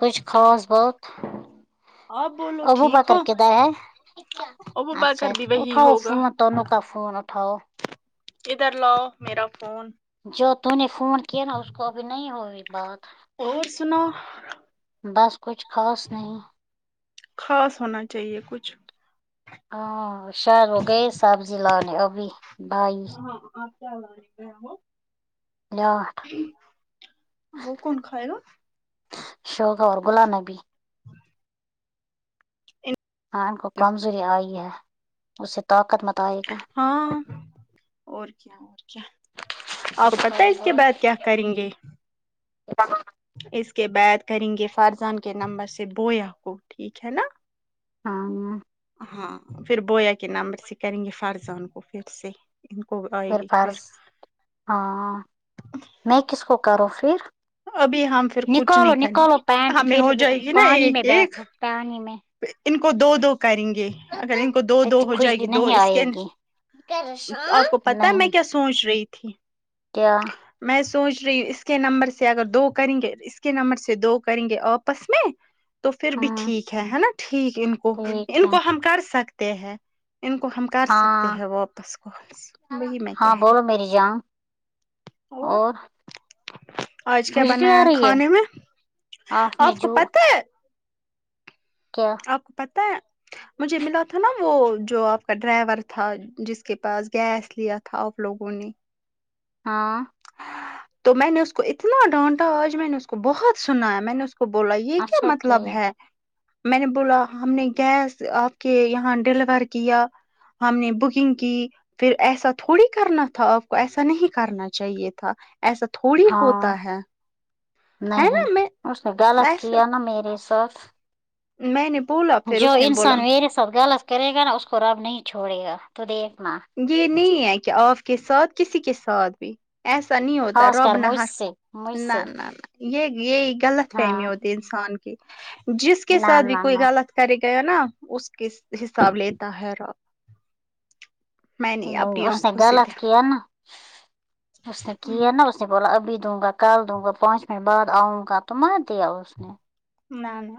کچھ خاص بات آپ بولو ٹھیک ابوبکر ہو کدھر ہے ابو اچھا بکر بھی وہی اٹھاؤ ہوگا فون تنو کا فون اٹھاؤ ادھر لاؤ میرا فون جو تو نے فون کیا نا اس کو ابھی نہیں ہوی بات اور سناؤ بس کچھ خاص نہیں خاص ہونا چاہیے کچھ ہاں ہوشیار ہوگئے سبزی لانے ابھی بھائی ہاں آپ کے ہاں [unintelligible] لاٹ وہ کون کھائے گا [unintelligible] ہاں ان کو کمزوری آئی ہے اس سے طاقت مت آئے گا ہاں اور کیا اور کیا آپ کو کچھ پتہ خاص اس کے بات بعد کیا کریں گے اس کے بعد کریں گے فرزان کے نمبر سے بویا کو ٹھیک ہے نا ہاں ہاں پھر بویا کے نمبر سے کریں گے فرزان کو پھر سے ان کو آئے پھر گی فرض ہاں میں کس کو کروں پھر ابھی ہم پھر کچھ نہیں نکالو کریں نکالو گے پینٹ ہمیں ہو پھر جائے گی نا پانی میں ایک ایک بیٹھو پانی میں ان کو دو دو کریں گے اگر ان کو دو دو اتنی ہو جائے خوشبو گی دو نہیں اس کے آئے گی آپ کو پتا ہے نہیں میں کیا س سونچ رہی تھی کیا میں سوچ رہی اس کے نمبر سے سے اگر دو کریں گے اس کے نمبر سے دو کریں گے آپس میں تو پھر بھی ہاں ٹھیک ہے ہے ناں ٹھیک ان کو ٹھیک ان ہے کو ہم کر سکتے ہیں ان کو ہم کر سکتے ہاں ہیں واپس کال وہی میں ہاں کہہ رہی بولو میری جان اور آج کیا خوشبو آ بنایا رہی ہے کھانے میں نے آپ کو جو پتہ ہے کیا آپ کو پتہ ہے مجھے ملا تھا نا وہ جو آپ کا ڈرائیور تھا جس کے پاس گیس لیا تھا آپ لوگوں نے ہاں تو میں نے اس کو اتنا ڈانٹا آج میں نے اس کو بہت سنایا میں نے اس کو کو بولا یہ کیا مطلب ہے میں نے بولا ہم نے گیس آپ کے یہاں ڈیلیور کیا ہم نے بکنگ کی پھر ایسا تھوڑی کرنا تھا آپ کو ایسا نہیں کرنا چاہیے تھا ایسا تھوڑی ہاں ہوتا ہے ہے نا نہیں میں اس نے غلط ایسا کیا ناں میرے ساتھ میں نے بولا پھر جو اس نے بولا انسان میرے غلط کرے گا ناں اس کو رب نہیں چھوڑے گا تو دیکھنا یہ نہیں ہے کہ آپ کے ساتھ کسی کے ساتھ بھی ایسا نہیں ہوتا خاص کر رب مجھ نہر سے مجھ سے نہ نہ نہ یہ یہی غلط فہمی ہاں ہوتی ہے انسان کی جس کے نہ ساتھ بھی نہ کوئی نہ غلط کرے گیا ناں اس کے حساب لیتا ہے رب میں نے نہیں اپنی اس نے آنکھوں سے گلت کیا ناں اس نے کیا دیکھا ناں نے بولا ابھی دوں گا کل دوں گا پانچ منٹ بعد آؤں گا تو مار دیا اس نے نہ نہ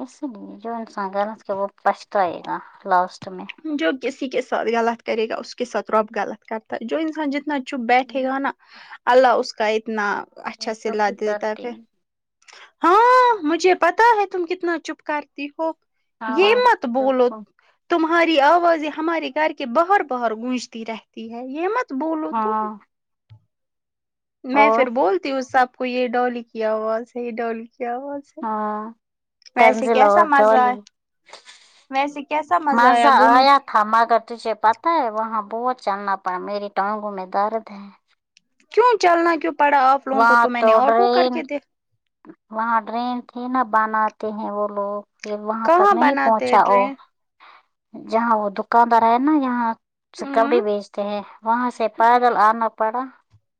اسی لیے جو انسان غلط کیا وہ پچھتائے گا لاسٹ میں جو کسی کے ساتھ غلط کرے گا اس کے ساتھ رب غلط کرتا ہے جو انسان جتنا چپ بیٹھے گا ناں اللہ اس کا اتنا میں اچھا تو صلہ بھی دیتا ہے کرتی پھر ہوں ہاں مجھے پتا ہے تم کتنا چپ کرتی ہو یہ ہاں مت بولو تمہاری آوازیں ہمارے گھر کے باہر باہر گونجتی رہتی ہے یہ مت بولو تم ہاں میں اور پھر بولتی ہوںسب کو یہ ڈولی کی آواز ہے یہ ڈولی کی آواز ہاں ویسے تنزیل اور کیسا مزہ ڈولی ہے ویسے کیسا مزہ گھوم آیا تھا مگر تجھے پتہ ہے وہاں بہت چلنا پڑا میری ٹانگوں میں درد ہے کیوں چلنا کیوں پڑا آپ لوگوں کو وہاں تو میں نے آٹو کر ڈرین کے دے وہاں ڈرین تھی ناں بناتے ہیں وہ لوگ یہ وہاں تک کہاں نہیں بناتے ہیں پہنچا وہ ٹرین جہاں وہ دکاندار ہے ناں یہاں سے ہ کپڑی بیچتے ہیں وہاں سے پیدل آنا پڑا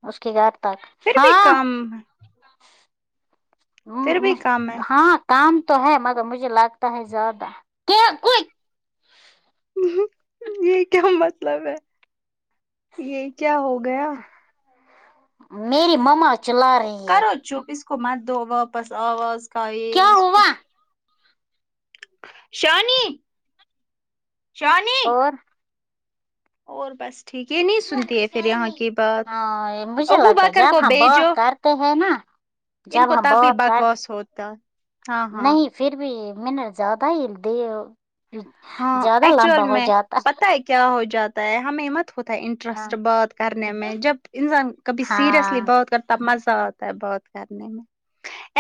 اس کی گاڑ تک پھر بھی ہاں کم ہے پھر بھی کم ہے ہاں کام تو ہے مگر مجھے لگتا ہے زیادہ ام یہ کیا مطلب ہے یہ کیا ہو گیا میری مما چلارہی ہے جو بھی اس کو مت دو واپس آواز کا آئی کیا ہوا شانی شانی اور اور بس ٹھیک نہیں سنتی ہے پھر یہاں کی بات ہاں مجھے ابو لگتا ہے بکر کو جب ہم بات بھیجو کرتے ہیں نا ان کو جب ہم تبھی بات کر بکواس ہوتا ہاں ہاں نہیں پھر بھی میں نے زیادہ ہیل دی ہاں زیادہ ایکچوئل لمبا ہو میں جاتا پتہ ہے کیا ہو جاتا ہے ہم احمت ہوتا ہاں انٹرسٹ بات کرنے میں جب انسان کبھی ہاں سیریئسلی بات کرت تب مزہ آتا ہے بہت کرنے میں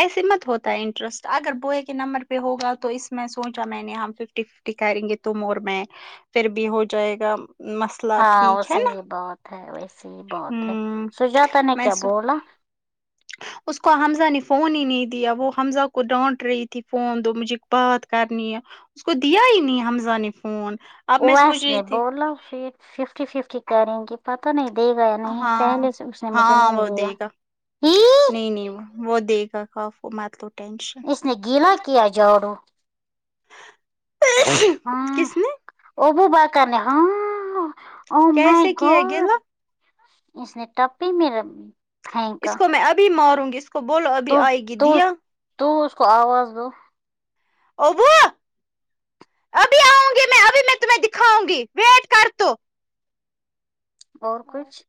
ایسے مت ہوتا ہے انٹرسٹ اگر بوئے کے نمبر پہ ہوگا تو اس میں سوچا میں نے یہاں ففٹی کریں گے تم اور میں پھر بھی ہو جائے گا مست ہاں ویسے ہی بہت ہے ویسے ہی بہت ہے ہوں سجاتا نے میں کیا سو بولا [inaudible] اس کو حمزہ نے فون ہی نہیں دیا وہ حمزہ کو ڈانٹ رہی تھی فون دو مجھے بات کرنی ہے اس کو دیا ہی نہیں حمزہ نے فون اب میں اویس سوچ نے رہی تھی بولا پھر ففٹی ففٹی کریں گے پتا نہیں دے گیا نہیں ہاں پہلے سے اس نے مجھے ہاں نہیں وہ دیا دے گا دیی نہیں نہیں وہ وہ دے گا کاف متلو ٹینش اس نے گیلا کیا جھاڑو ہاں کس نے ابو بکر نے ہاں او مای کیسے کیا گاؤڈ گلا اس نے ٹپی میرا اس کو میں ابھی ماروں گی اس کو بولو تو ابھی آئے گی تو دیا تو اس کو آواز دو او وہو ابھی آؤں گی میں ابھی میں تمہیں دکھاؤں گی ویٹ کر تو اور کچھ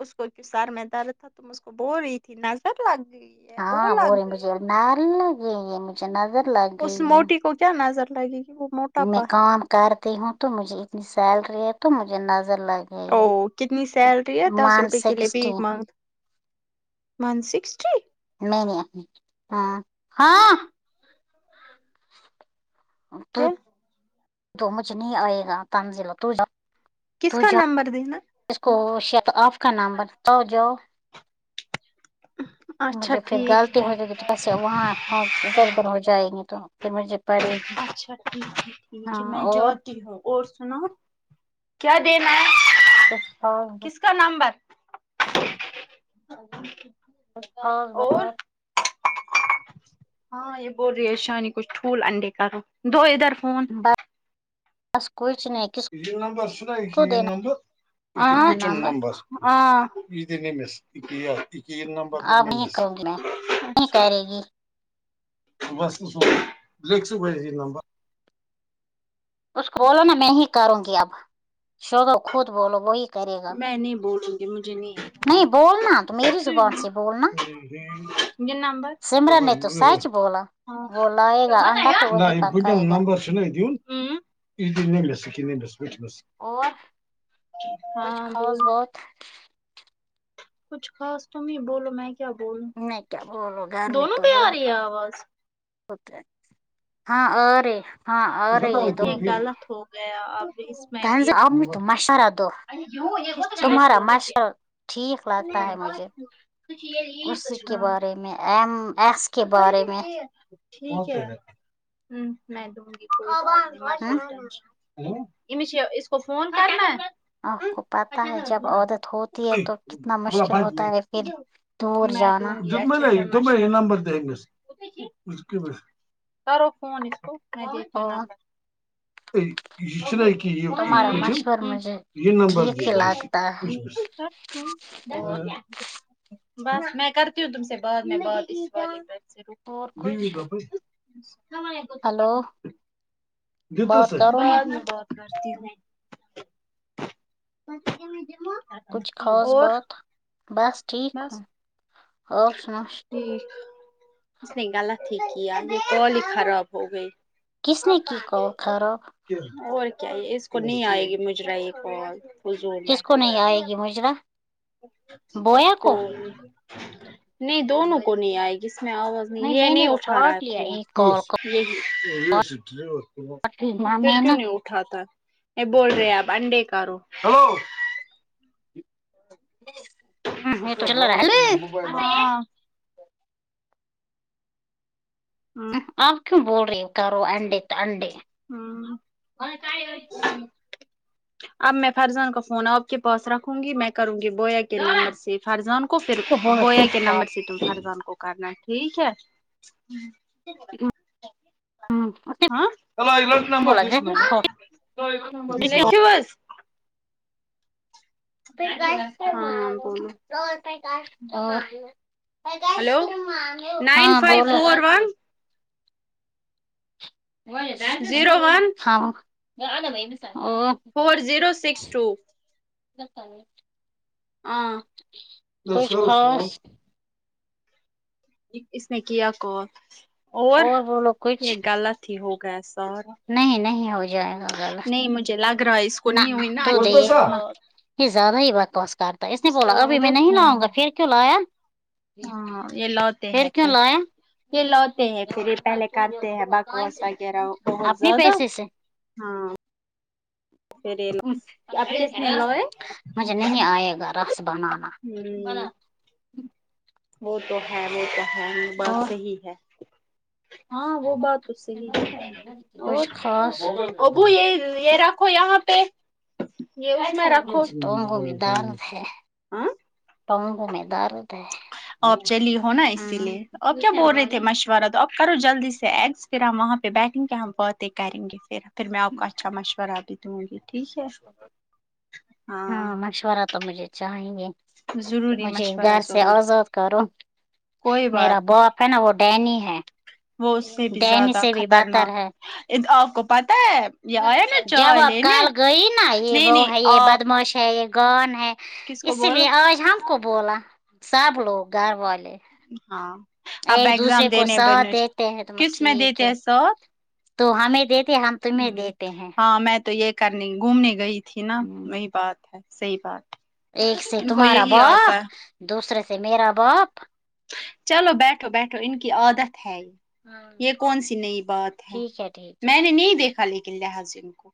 اس کو سر میں درد تھا تو میں اس کو بول رہی تھی نظر لگ گئی ہے وہ لگ گئی [unintelligible] اس موٹی کو کیا نظر لگے گی وہ میں موٹاپا ہے کام کرتی ہوں تو مجھے اتنی سیلری ہے تو مجھے نظر لگ او گئی کتنی سیلری ہے دس ون روپئے کے لیے سکسٹی بھیک مانگ ون سکسٹی نہیں نہیں ہاں ہاں تو کیا تو مجھے نہیں آئے گا تانزیل تو جا کس تو کا جا نمبر دو میں اس کو شقاف کا نام بتاؤ جو اچھا مجھے پھر ٹھیک غلطی ہے ہو جائے گی توبس وہاں ادھر ادھر ہو جائیں گے تو پھر مجھے پڑے گی اچھا ٹھیک ہے ٹھیک ہے ہاں میں اور جاتی ہوں اور سناو کیا دینا ہے کچھ خاص کس کا نمبر ہاں اور نمبر ہاں یہ بول رہی ہے شانی کچھ ٹھول انڈے کرو دو ادھر فون بس بس کچھ نہیں کس کو دینا [unintelligible] آں ہے کیل نمبر نمبر آپ دنمے نہیں بس کروں گی میں نہیں کرے گی [unintelligible] اس کو بولو نا میں ہی کروں گی اب چھوڑو خود بولو وہی کرے گا میں نہیں بولوں گی مجھے نہیں بولنا تو میری زبان سے بولنا یہ نمبر سمرن نے تو سچ بولا ہاں وہ لائے گا انڈا تو وہی پکائے گا ن نس کہٹ [inaudible] اور کچھ ہاں بول خاص بات کچھ خاص تم ہی بولو میں کیا بول میں کیا بولو گھر میں دونوں تو پہ آ بہت رہی ہے آواز ہاں آ رہے ہاں آ رہی ہے یہ دونوں پہ غلط ہو گیا اب اس میں سے یہ امی تو مشورہ دو کس چیز تمہارا کا مشہور ٹھیک لگتا ہے مجھے اسی کے اچھا بارے میں ایم ایکس کے بارے میں ٹھیک ہے امم میں دوں گی ہوں امش یہ اس کو فون کرنا ہے آپ کو پتہ ہے جب عادت ہوتی ہے تو کتنا مشکل ہوتا ہے پھر دور جانا جم نمرتے مس [unintelligible] کرو فون اسکو میں دیتی ہوں اور نمبر یہ چ ن کہ یہ تمہارا مشور مجھے یہ نمبر ٹھیک ہی لگتا ہے اور [unintelligible] [inaudible] بس میں کرتی ہوں تم سے بعد میں بات اور کچھ السلام علیکم ہلو دے بات توسہی کرو نا بعد میں بات کر تی ہوں میں کچھ خاص بات بس ٹھیک ہوں بس اور سناو ٹھیک اس نے غلط ہی کیا کال ہی خراب ہو گئی کس نے کی کال خاراب اور کیا یہ اس کو نہیں آئے گی مجھے آںی یہ کال کو زورنا کس کو نہیں ہوگا آئے گی مجرا اس بویا کو کول نہیں دونوں کو نہیں آئے گی اس میں آواز نہیں یہ میں نے نہیں وہ اٹھا رہا کاٹ ہے لیا فون ایک کال پھر کاٹ لی نا میں کیوں نے نہیں ہوں، ہو اٹھا تا یہ بول رہے آپ انڈے کارو ہلو ہ تو چ رہلے [unintelligible] ہاں آپ کیوں بول رہی کرو انڈے تو انڈے ہاں اب میں فرضان کا فون آپ کے پاس رکھوں گی میں کروں گی بویا کے نمبر سے فرضان کو پھر یہ بولا بویا کے چپ نمبر چاپ سے تم فرضان کو کرنا ٹھیک ہے ہ ہاں ات [unintelligible] لکھو [inaudible] بس، پ ہاں بولو کش م تو پ ہلو [inaudible] نائن ہاں فائیو فور ون بولو زیرو ون ہاں آنا ب سا ف فور جو زیرو س سکس ٹو ہاں [unintelligible] دس کچھ کرس خاص فون اس نے کیا کال اور بولو یہ کچھ غلط ہی ہو گیا سا نہیں نہیں ہو جائے گا غلط مجھے لگ رہا ہے اس کو نہ نہیں ہوئی نا تو نے اچھے سے یہ زیادہ ہی بکواس کرتا اس نے بولا ابھی میں نہیں لاؤں گا پھر کیوں لایا ہاں یہ لوٹے پھر ہے کیوں لایا یہ لوتے ہیں پھر یہ پہلے کرتے ہیں بکواس وغیرہ بہت اپنے زیادہ پیسے سے ہاں پھر س یہ اب کس نے جینا لوئے [inaudible] مجھے نہیں آئے گا رس بنانا ہوں وہ تو ہے وہ تو ہے یہ بات اور صحیح ہے ہاں وہ بات تو صحیح ہے اور کچھ خاص ابو یہ یہ رکھو یہاں پہ پہ یہ اس میں رکھو پاؤں میں درد ہیں ہاں پاؤں میں درد ہے آپ چلی ہو نا اسی ہاں لیے آپ کیا بول رہے تھے مشورہ تو آپ کرو جلدی سے ایگس پھر ہم وہاں پہ بیٹھیں گے ہم باتیں کریں گے پھر پھر میں آپ کو اچھا مشورہ بھی تو بولی ٹھیک ہے ہاں مشورہ تو مجھے چاہیں ضروری مجھے مشورہ گھر سے ضرور آزاد کرو کوئی میرا بات باپ ہے نا وہ ڈینی نہیں ہے وہ اس سے بھی ڈینی زیادہ سے بھی بدتر ہے خطرناک آپ کو پتا ہے یہ آیا نا جب چائے آپ لینے کال گئی نا یہ نہیں وہ نہیں ہے یہ آپ بدموش ہے یہ گان ہے کس کو اس لیے آج ہم کو بولو بولا سب لوگ گھر والے ہاں اب ایک ایگزام دوسرے کو دینے ساتھ بینش دیتے ہیں تو کس میں ٹھیک دیتے ہے سو تو ہوں ہمیں دیتے ہم تمہیں دیتے ہیں ہاں میں تو یہ کرنے گھومنے گئی تھی نا ہوں، وہی بات ہے صحیح بات ہے، ایک سے ان کو تمہارا یہی آتا باپ ہے دوسرے سے میرا باپ چلو بیٹھو بیٹھو ان کی عادت ہے یہ کون سی نئی بات ہے ٹھیک ٹھیک میں نے نہیں دیکھا لیکن ہے لہذ سے